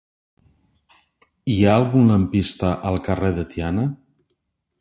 Hi ha algun lampista al carrer de Tiana?